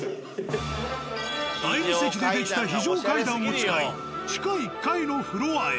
大理石で出来た非常階段を使い地下１階のフロアへ。